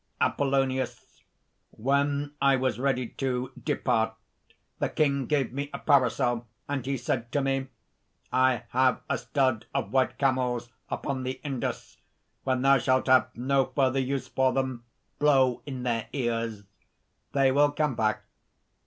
APOLLONIUS. "When I was ready to depart, the king gave me a parasol, and he said to me: 'I have a stud of white camels upon the Indus. When thou shalt have no further use for them, blow in their ears. They will come back.'